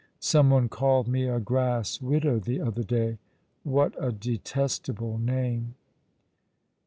Some one called me a grass widow the other day. What a detestable name